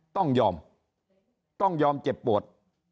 ต้องยอมต้องยอมเจ็บปวด